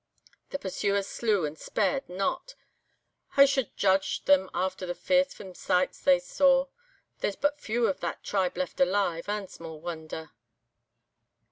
The pursuers slew and spared not. Wha shall judge them after the fearsome sights they saw? There's but few of that tribe left alive, and sma' wonder.